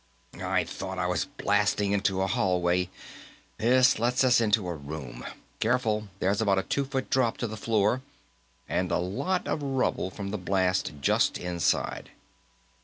"I thought I was blasting into a hallway; this lets us into a room. Careful; there's about a two foot drop to the floor, and a lot of rubble from the blast just inside."